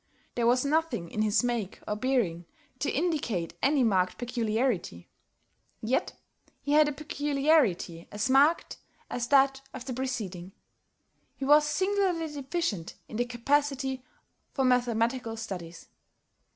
There was nothing in his make or bearing to indicate any marked peculiarity. Yet he had a peculiarity as marked as that of the preceding. He was singularly deficient in the capacity for mathematical studies.